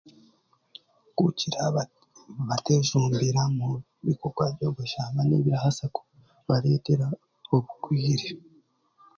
kugira bateejumbira omu bikorwa by'obushambani obukubaasa kubareetera obugwire